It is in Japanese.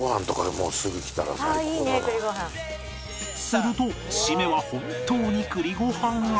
すると締めは本当に栗御飯が